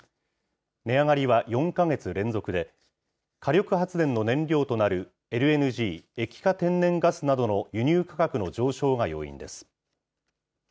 値上がりは４か月連続で、火力発電の燃料となるＬＮＧ・液化天然ガスなどの輸入価格の上昇が要因です。